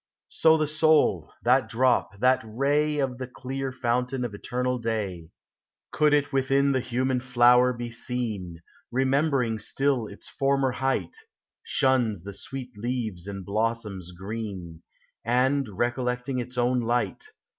So the soul, that drop, that ray Of the clear fountain of eternal day, Could it within the human flower be seen, Remembering still its former height, Shuns the sweet leaves and blossoms green, And, recollecting its own light.